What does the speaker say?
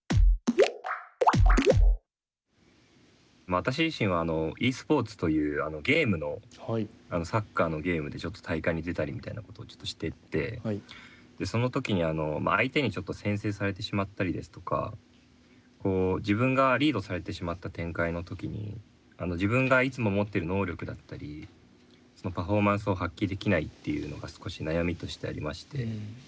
私自身はｅスポーツというゲームのサッカーのゲームでちょっと大会に出たりみたいなことをちょっとしていてその時に相手に先制されてしまったりですとか自分がリードされてしまった展開の時に自分がいつも持ってる能力だったりパフォーマンスを発揮できないっていうのが少し悩みとしてありまして。